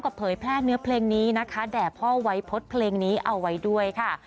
คุณพ่อไวพศเพลงนี้เอาไว้ด้วยค่ะ